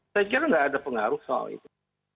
saya kira nggak ada pengaruh soal itu